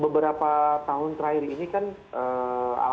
beberapa tahun terakhir ini kan